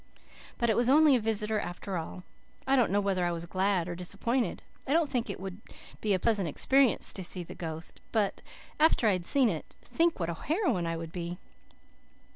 But it was only a visitor after all. I don't know whether I was glad or disappointed. I don't think it would be a pleasant experience to see the ghost. But after I had seen it think what a heroine I would be!